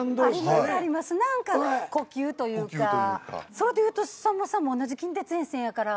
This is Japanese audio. それでいうとさんまさんも同じ近鉄沿線やから。